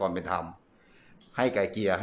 ตอนนี้ก็ไม่มีอัศวินทรีย์